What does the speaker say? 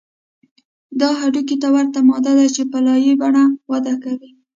دا هډوکي ته ورته ماده ده چې په لایې په بڼه وده کوي